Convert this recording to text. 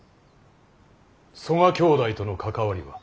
曽我兄弟との関わりは。